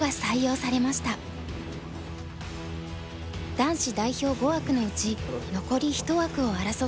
男子代表５枠のうち残り１枠を争った一戦。